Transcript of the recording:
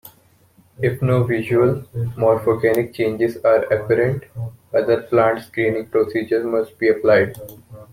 If no visual, morphogenic changes are apparent, other plant screening procedures must be applied.